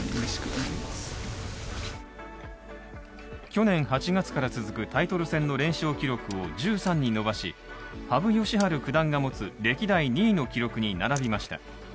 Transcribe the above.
去年８月から続くタイトル戦の連勝記録を１３に伸ばし、羽生善治九段が持つ歴代２位の記録に並びました。